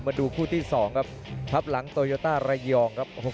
มาดูคู่ที่๒ครับทับหลังโตโยต้าระยองครับ